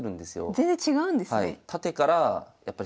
全然違うんですね。